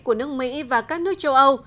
của nước mỹ và các nước châu âu